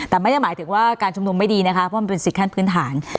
แต่ไม่ได้หมายถึงว่าการชุมนุมไม่ดีนะคะเพราะมันเป็นสิทธิขั้นพื้นฐาน